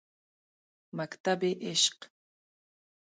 مکتبِ عشق